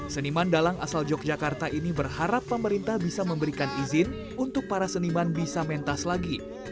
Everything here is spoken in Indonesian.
seniman dalang asal yogyakarta ini berharap pemerintah bisa memberikan izin untuk para seniman bisa mentas lagi